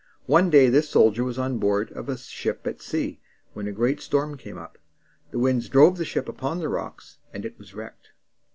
One day this soldier was on board of a ship at sea when a great storm came up. The winds drove the ship upon the rocks, and it was wrecked.